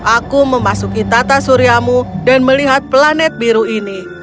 aku memasuki tata suryamu dan melihat planet biru ini